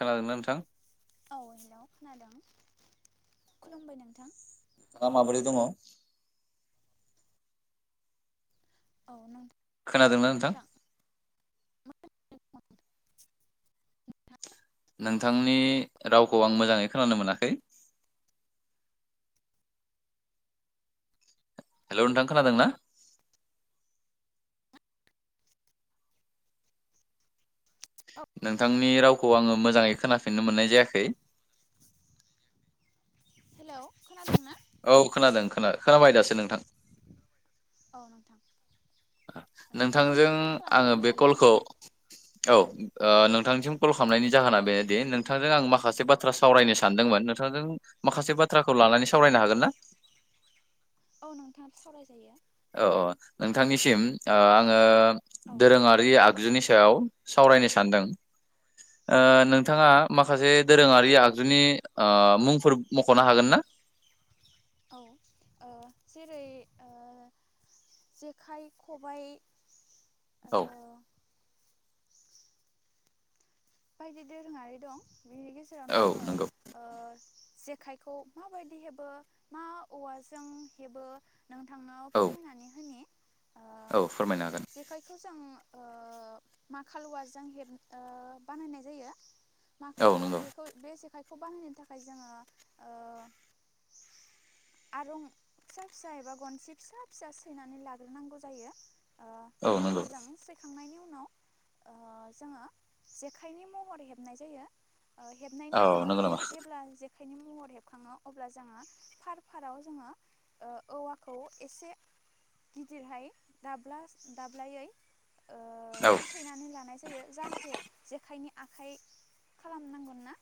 खोनादोंना नोंथां? औ हेलौ खोनादों खुलुमबाय नोंथां। नोंथाङा माबोरै दङ? औ नों खोनादोंना नोंथां? [unintelligible] नोंथांनि रावखौ आं मोजाङै खोनानो मोनाखै। हेलौ नोंथां खोनादों ना? नोंथांनि रावखौ आङो मोजाङै खोनाफिननो मोननाय जायाखै। हेलौ खोनादोंना? औ खोनादों खोना-खोनाबाय दासो नोंथां। औ नोंथां। ओ नोंथांनि नोंथांजों कल आङो खालामनायनि बे जाहोना कलखौ औ ओ औ नोंथांसिम कल खालामनायनि जाहोना बे दे नोंथांजों आं माखासे बाथ्रा सावरायनो सानदोंमोन नोंथांजों माखासे बाथ्राखौ औ लानानै नोंथां सावरायनो हागोन ना? औ नोंथां सावरायजायो औ अ नोंथांनिसिम ओ आङो औ नोंथां दोरोङारि आगजुनि सायाव। सावरायनो सानदों। ओ औ नोंथां नोंथाङा माखासे। दोरोङारि ओ- आगजुनि मुंफोर मख'नो हागोन ना? औ ओ जेरै ओ- जेखाइ-खबायाइ। औ आरो बायदि दोरोङारि दं। बिनि औ गेजेरावनो आङो नंगौ ओ जेखाइखौ माबायदि हेबो मा औवाजों हेबो। नोंथांनाव औ फोरमायनानै होनि। ओ औ फोरमायनो हागोन। जेखाइखौ जों ओ-माखालवाजों हेब ओ- बानायनाय जायो। माख- औ ओ- नंगौ बेखै बेसेफाय। बे खौ बाहायनो थाखाय जोङो ओ-आरं फिसा फिसा एबा गनसे फिसा-फिसा सैनानै लाग्रोनांगौ जायो। ओ- औ बिनि नंगौ उनाव जों सौखांनायनि उनाव। उनाव ओ- जोंयो। जेखाइनि महर हेबनाय जायो। ओ- हेबनायनि औ उनाव नंगौ नामा हेब- जेब्ला। खाइनि महर हेबखाङो अब्ला जोङो फार फाराव जोङो ओ-औवाखौ एसे गिदिरहाय दाब्ला दाब्लायै। औ ओ सैनानै लानाय जायो जाहाथ आखाइनि आखाइ खालामनांगोन ना।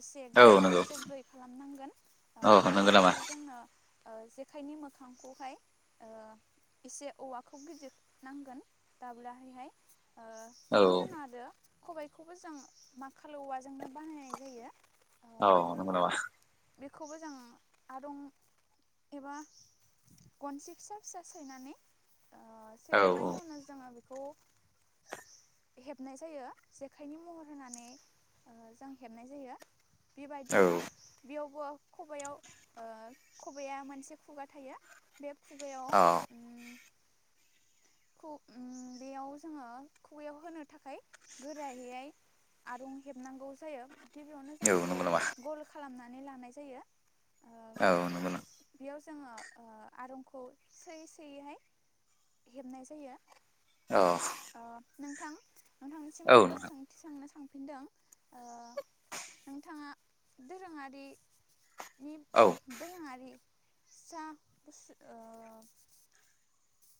एसे औ गोरा नंगौ जब्दै खालामनांगोन औ ओ- नंगौ नामा बेनिखायनो जोंनो। ओ- जेखाइनि मोखांखौहाय ओ-एसे औवाखौ गिदिर नांगोन दाब्लाहायहाय। औ खबायखौबो जों माखल औवाजोंनो बानायनाय जायो। ओ औ नंगौ नामा? बेखौबो जों आरं एबा गनसे फिस- फिसा सैनानै। ओ औ सेखांनायनि उनाव जोङो। खौ हेबनाय जायो। जेखाइनि महर होनानै ओ- जों हेबनाय जायो। औ बेबायदिनो बेयाव। खवा-खबायाव खबाइआ ओ मोनसे खुगा थायो बे। खुगायाव ओम। खु- ओम बेयाव जोङो खुगायाव होनो थाखाय। गोरायै आरुं हेबनांगौ जायो। गिबियावनो जों औ नंगौ बेखौ नामा गल खालामनानै। माने लानाय जायो। ओ औ नंगौ नामा। बेयाव जोङो ओ आरुंखौ सोयै सोयैहाय हेबनाय जायो। औ ओ नोंथां नोंथांनिसिम आंबो सोंथि सोंनो सानदों। नदों ओ नोंथांङा दोरोङारि। औ सास ओ।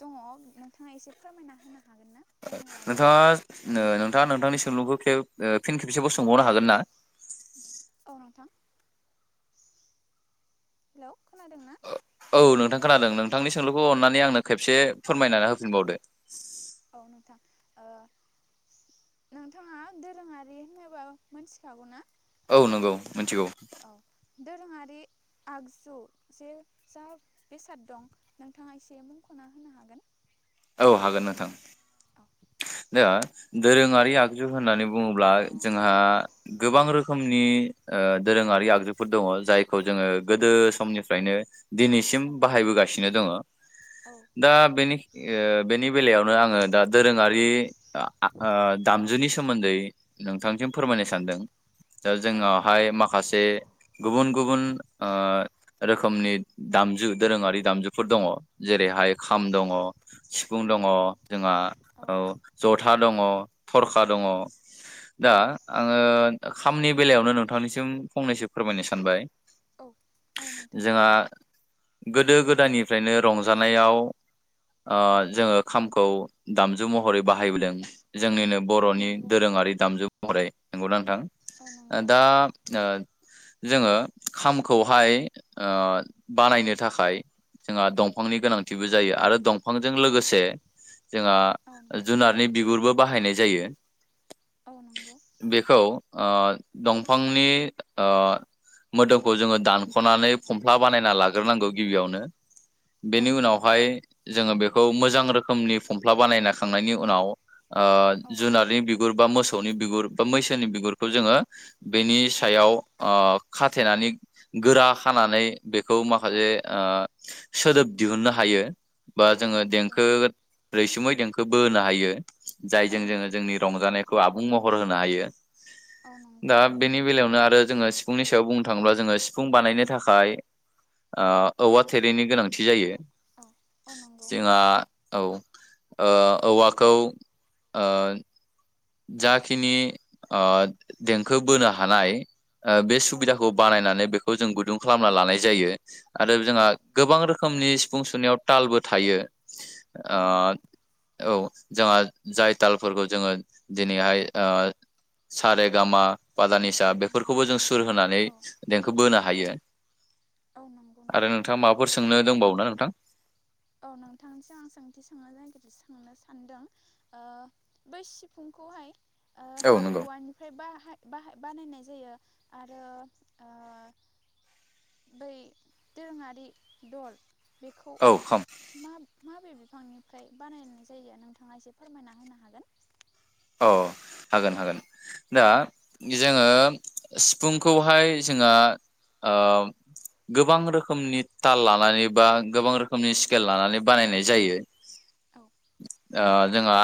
दङ नोंथांङा एसे फोरमायना होना? नोंथांङा। नोंथाङा नोंथांनि सोंलुंखौ खेब ओ फिन खेबसेबबो सोंबावनो हागोन ना औ नोंथां हेल खोनादों ओ औ नोंथां खोनादों नोंथांनि सोंलुखौ अन्नानै आंनो खेबसे फोरमायनानै होफिनबावदो औ नोंथां ओ नोंथाङा दोरोङारि होनोबा मोनथिखागौ ना औ ओ नंगौ मिथिगौ औ दोरोङारि आगजु जे जा बेसाद दं नोंथाङा एसे मुंखना होनो हागोन औ हागोन नोंथां औ दा दोरोङारि आगजु होननानै बुङोब्ला जोंहा गोबां रोखोमनि ओ दोरोङारि आगजुफोर दङ जाय खौ जोङो औ गोदो समनिफ्रायनो दिनैसिम औ नोंथां बाहायबोगासिनो दङ औ दा बेनि ओ बेनि बेलायावनो आङो दा दोरोङारि आ ओ दामजुनि सोमोन्दै नोंथांसिम औ फोरमायनो नोंथां सानदों दा औ जोंनावहाय माखासे गुबुन गुबुन ओ रोखोमनि दामजु दोरोङारि दामजुफोर दङ जेरैहाय औ खाम दङ सिफुं खाम दङ औ जोंहा औ जथा दङ दङ थरखा दङ औ दा औ आङो खामनि बेलायावनो नोंथांनिसिम फंनैसो फोरमायनो सानबाय औ दङ नोंथां जोंहा गोदो गोदायनिफ्रायनो रंजानायाव ओ औ जोंङो खामखौ दामजु महरै बाहायबोदों जोंनिनो औ बरनि नंगौ दोरोङारि दामजु ओमफ्राय नंगौ नों थां औ ओ नंगौ दा ओ जोंङो खामखौहाय ओ बानायनो थाखाय जोंहा दंफां फांनि औ गोनांथिबो जायो आरो दंफां जों लोगोसे जोंहा औ नोंथां जुनारनि बिगुरबो बाहायनाय जायो औ नंगौ बेखौ ओ दंफांनि ओ मोदोमखौ जोंङो दानखनानै फमफ्ला बानायना लाग्रोनांगौ गिबियावनो औ बेनि उनावहाय जोंङो बेखौ मोजां रोखोमनि फमफ्ला बानायना खांनायनि उनाव अ औ नंगौ जुनारनि नोंथां बिगुर बा मोस मोसौनि बिगुर बा मैसोनि बिगुरखौ जोंङो बेनि औ सायाव नोंथां ओ खाथेनानै गोरा खानानै बेखौ औ माखासे अ सोदोब दिहुननो हायो। बा औ जोङो नंगौ देंखो नोंथां रैसुमै देंखो खौ बो होनो हायो। औ जायजों जोंङो नोंथां जोंनि रंजानायखौ आबुं महर होनो हायो। औ नंगौ दा बेनि बेलायावनो आरो जोंङो सिफुंनि सायाव बुंनो थांङोब्ला जोंङो सिफुं बानायनो थाखाय अ औवा थेरेनि गोनां थि औ जायो। औ औ नंगौ जोंहा औ अ- औवाखौ अ जाखिनि अ देंखो बोनो हानाय अ बे औ सुबिदाखौ नंगौ बानायनानै बेखौ जों गुदुं खालामना लानाय जायो। आरो औ जोंहा गोबां रोखोम खोमनि सिफुं सुनायाव तालबो थायो। अ औ नंगौ औ जोंहा जाय तालफोरखौ जोङो दिनैहाय अ सारे गामा फा दा औ निसा नंगौ बेफोरखौबो जों सुर होनानै औ देंखो बोनो हायो। औ नंगौ आरो नोंथां नोंथाङा माबाफोर सोंनो दंबावो ना नोंथां? औ नोंथांनिसिम आं सोंथि सोंनो नागिर सोंनो सानदों ओ बै सिफुंखौहाय अ औ माबे नंगौ औवानिफ्राय बाहाय बाहाय-बानायनाय जायो आरो अ बै दोरोङारि दल बेखौ औ खाम मा माबे बिफांनिफ्राय बानायनाय जायो नोंथाङा एसे फोरमायना होनो हागोन? औ हागोन हागोन। दा औ जि जोंङो सिफुंखौहाय जोंहा ओ गोबां रोखोमनि ताल लानानै बा गोबां रोखोमनि स्केल लानानै बानायनाय जायो। औ ओ जोंहा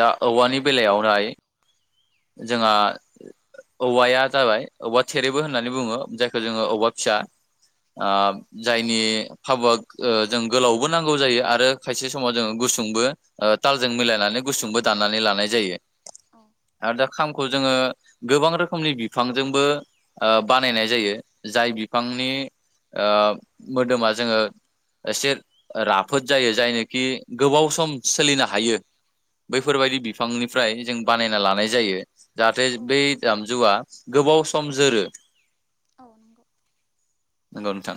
दा औवानि बेलायावनाय जोंहा औवाया जाबाय औवा थेरेबो होननानै बुंङो जाय खो जोंङो औ औवा फिसा ओ औ जायनि फाबुआ ओ जों गोलावबो नांगौ जायो आरो खायसे समाव जोंङो गुसुंबो ओ तालजों औ मिलायनानै गुसुंबो दान नानै लानाय जायो। औ आरो दा खामखौ जोंङो गोबां रोखोमनि बिफांजोंबो ओ बानायनाय जायो जाय बिफांनि ओ मोदोमा जोंङो एसे राफोद जायो जायनोखि गोबाव सम सोलिनो हायो। औ बैफोर बायदि बिफांनि फ्राय जों बानाय लानाय जायो जाहाथे औ बै दामजुआ गोबाव सम जोरो औ नंगौ नंगौ नोंथां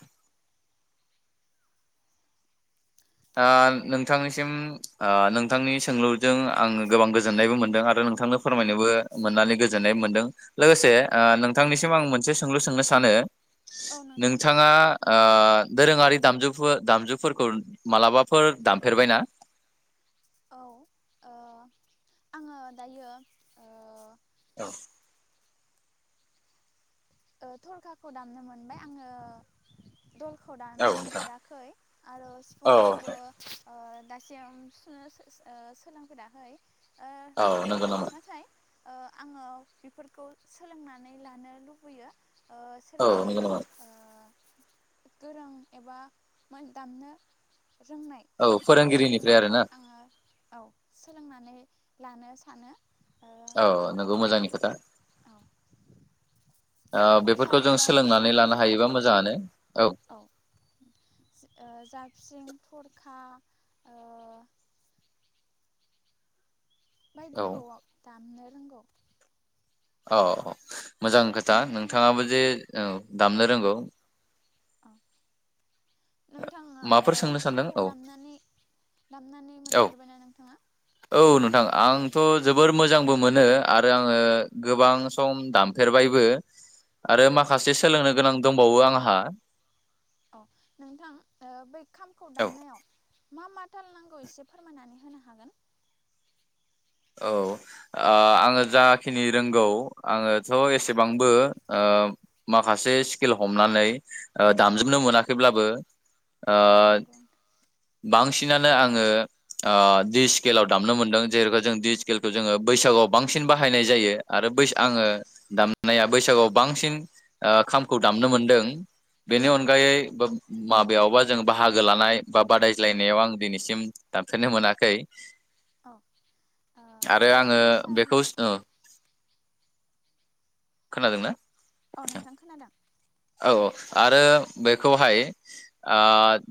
ओ नोंथांनिसिम ओ नोंथांनि सोंलुजों आं गोबां गोजोननायबो मोनदों आरो नोंथांनो फोरमायनोबो मोननानै गोजोननाय मोनदों लोगोसे ओ औ नोंथांनिसिम नोंथां आं मोनसे सोंलु सोंनो सानो औ नोंथां नोंथांङा औ ओ दोरोङारि दामजु [unintelligible] दामजुफोरखौ मालाबाफोर दामफेरबाय ना? औ ओ आंङो दायो ओ औ ओ थरखाखौ दामनो मोनबाय आंङो दलखौ दामनो मोनफेराखै आरो सिफुंखौबो ओ दासिम सुनो सो-सोलोंफेराखै औ नोंगौ नामा? ओ आंङो बेफोरखौ सोलोंनानै लानो लुबै गैयो ओ औ सोरबा नंगौ नामा अ गोरों एबा मोन दामनो रोंनाय औ फोरोंगिरिनिफ्राय सुबुंनिफ्राय आरोना आंङो औ सोलोंनानै लानो सानो ओ औ नोंगौ मोजांनि खोथा। औ ओ सा बेफोरखौ जों सोलोंनानै जाबस्रिं लानो जेरै हायोबा मोजांङानो। औ ओ जाबस्रिं थरखा औ बायदिखौ दामनो नोंगौ। औ मोजां खोथा नोंथाङा नोंथाङाबो जे दामनो रोंगौ। अ नोंथाङा माबाफोर सोंनो सानदों खामखौ औ दामनानै दामनानै औ मोनफेरबायना नोंथाङा औ नोंथां औ आंथ' जोबोर मोजांबो मोनो आरो आङो गोबां सम दामफेरबायबो। आरो औ माखासे सोलोंनो गोनां दंबावो आंहा। औ नोंथां बै खामखौ औ दामनायाव मा मा टाल नांगौ एसे फोरमायनानै होनो हागोन। औ आङो जाखिनि रोंगौ आङोथ' औ एसेबांबो माखासे स्किल हमनानै। औ दामजोबनो मोनाखैब्लाबो। आ औ नंगौ नोंथां। बांसि बांसिनानो आङो बि स्केलाव दामनो मोनदों जे जों दि स्केलखौ जोङो बैसागआव बांसिन बाहायनाय जायो। आरो बै औ आङो दाम। नाया बैसागुआव बांसिन खामखौ दामनो मोनदों। बेनि औ अनगायै माबायावबा जों बाहागो लानाय बा बादायज्लायनायाव आं दिनैसिम दामफेरनो मोनाखै। औ ओ आरो बे आङो बैसाग बेखौ ओ खोनादोंना? औ नोंथां खोनादों औ औ आरो बेखौहाय ओ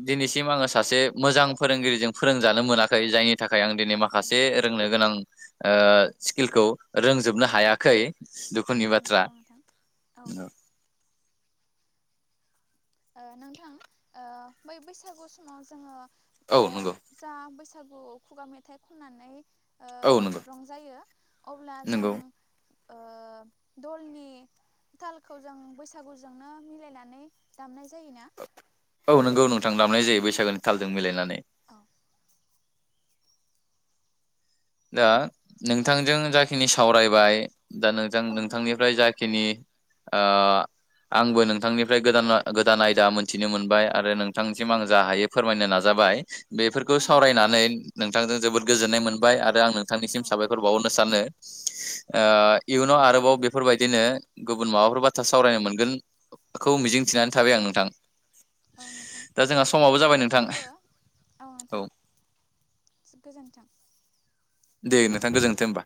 दिनैसिम आङो सासे मोजां फोरोंगिरिजों फोरोंजानो मोनाखै जायनि नि थाखाय आं दिनै औ माखासे नंगौ रोंनो गोनां स्किलखौ रोंजोबनो औ हायाखै दुखुनि औ बाथ्रा। नंगौ नोंथां औ नोंथां ओ बै बैसागु समाव जोङो औ ओ नंगौ जा बैसा गु खुगा मेथाइ खननानै ओ औ नंगौ रंजायो अब्ला जों नंगौ ओ दलनि तालखौ जों बैसागुजोंनो मिलायनानै दामनाय जायोना। औ नोंगौ नोंथां दामनाय जायो बैसागोनि थालजों मिलायनानै। औ दा नोंथांजों जाखिनि औ सावरायबाय दा नोंजों औ नोंथां नोंथांनिफ्राय जाखिनि ओ आंबो नोंथांनिफ्राय गोदान आ गोदान आयदा मोनथिनो मोनबाय आरो नों थांनिसिम आं औ जा हायो फोरमायनो नाजा बाय। बेफोरखौ औ नोंथां सावरायनानै नोंथांजों जोबोद औ गोजोननाय मोनबाय आरो दा आं नोंथांनिसिम औ साबायखर बावहरनो सानो ओ औ इयुनाव नोंथां आरोबाव बेफोरबायदिनो गुबुन माबाफोर बाथ्रा सावरायनो मोनगोन औ नोंथां औ नोंथां दा जोंहा समाबो जाबाय नोंथां नोंथांनिफ्रायबो औ नोंथां औ गोजोनथों। दे नोंथां गोजोनथों होमबा